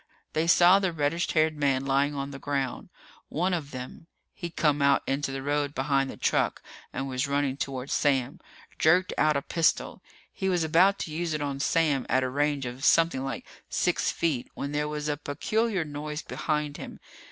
They saw the reddish haired man lying on the ground. One of them he'd come out into the road behind the truck and was running toward Sam jerked out a pistol. He was about to use it on Sam at a range of something like six feet when there was a peculiar noise behind him.